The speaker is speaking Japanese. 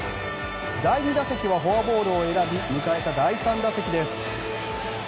第２打席はフォアボールを選び迎えた第３打席です。